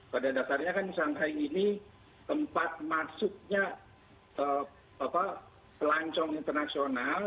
pada dasarnya kan shanghai ini tempat masuknya pelancong internasional